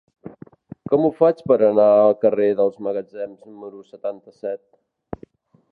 Com ho faig per anar al carrer dels Magatzems número setanta-set?